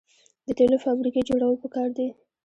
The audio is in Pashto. د تیلو فابریکې جوړول پکار دي.